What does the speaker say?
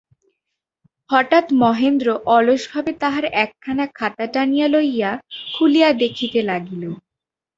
হঠাৎ মহেন্দ্র অলসভাবে তাহার একখানা খাতা টানিয়া লইয়া খুলিয়া দেখিতে লাগিল।